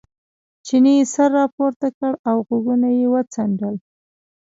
چیني سر را پورته کړ او غوږونه یې وڅنډل.